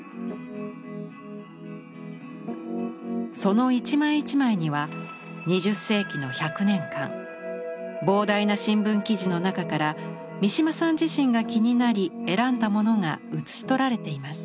その一枚一枚には２０世紀の１００年間膨大な新聞記事の中から三島さん自身が気になり選んだものが写し取られています。